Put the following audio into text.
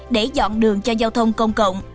để dọn đường cho giao thông công cộng